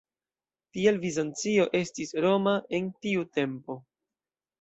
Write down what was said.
Tial Bizancio estis "Roma" en tiu tempo.